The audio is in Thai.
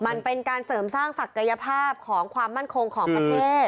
มันเป็นการเสริมสร้างศักยภาพของความมั่นคงของประเทศ